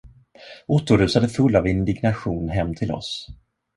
Otto rusade full av indignation hem till oss.